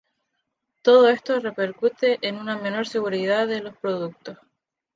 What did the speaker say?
Todo esto repercute en una menor seguridad de los productos.